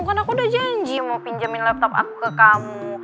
bukan aku udah janji mau pinjamin laptop aku ke kamu